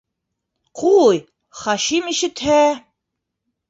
Ҡуй, Хашим ишетһә...